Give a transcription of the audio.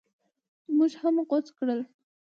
موږ هم غوڅ کړل.